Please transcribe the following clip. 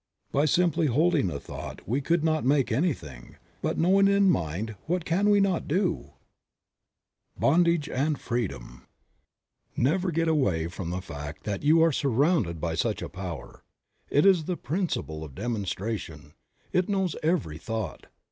By simply holding a thought we could not make anything but by knowing in mind what cannot we do? Creative Mind. 13 BONDAGE AND FREEDOM. TVEVER get away from the fact that you are surrounded by such a power ; it is the principle of demonstration. It knows every thought.